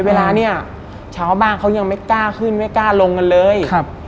เวลาเนี่ยชาวบ้านเขายังไม่กล้าขึ้นไม่กล้าลงกันเลยครับ